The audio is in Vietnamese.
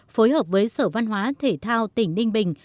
phối hợp với sở văn hóa thể thao tỉnh ninh bình